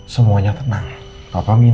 sampai ketemu diut prestasi